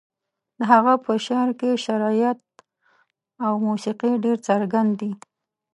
د هغه په شعر کې شعريت او موسيقي ډېر څرګند دي.